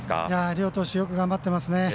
両投手よく頑張っています。